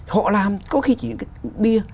họ làm có khi chỉ những cái bia